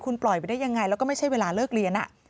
คุณปล่อยไปได้ยังไงแล้วก็ไม่ใช่เวลาเลิกเรียน